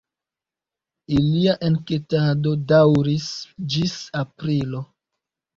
Ilia enketado daŭris ĝis aprilo.